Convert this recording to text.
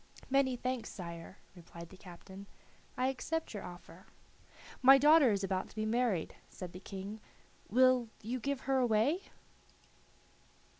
"Many thanks, sire," replied the captain, "I accept your offer." "My daughter is about to be married," said the King; "will you give her away?"